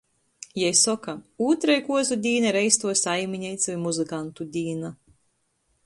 Jei soka — ūtrei kuozu dīna ir eistuo saimineicu i muzykantu dīna.